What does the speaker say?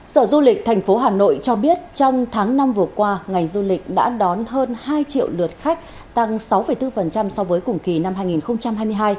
sở du lịch thành phố hà nội cho biết trong tháng năm vừa qua ngành du lịch đã đón hơn hai triệu lượt khách tăng sáu bốn so với cùng kỳ năm hai nghìn hai mươi hai